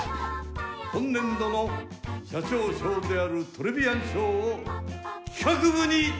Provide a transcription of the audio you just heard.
今年度の社長賞であるトレビアン賞を企画部に授与します。